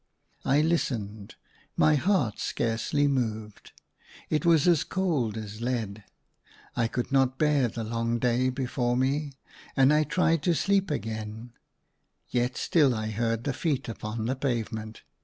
I listened : my heart scarcely moved ; it was as cold as lead. I could not bear the long day before me ; and I tried to sleep again; yet still I heard the feet upon the pavement.